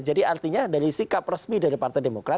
jadi artinya dari sikap resmi dari partai demokrat